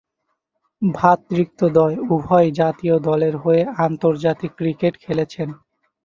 ভ্রাতৃদ্বয় উভয়েই জাতীয় দলের হয়ে আন্তর্জাতিক ক্রিকেট খেলছেন।